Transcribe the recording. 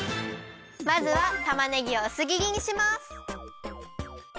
まずはたまねぎをうすぎりにします。